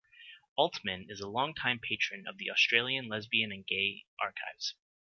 Altman is a longtime patron of the Australian Lesbian and Gay Archives.